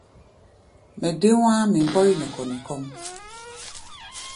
Mɛ dé wá̧á̧ mɛ́ mbɔi nɛ kɔni kɔ́ʼm.